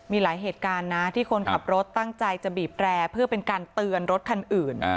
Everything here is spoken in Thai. มีหลายเหตุการณ์นะที่คนขับรถตั้งใจจะบีบแรร์เพื่อเป็นการเตือนรถคันอื่น